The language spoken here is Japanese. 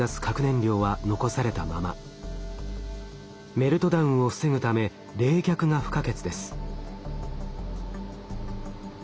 メルトダウンを防ぐため冷却が不可欠です。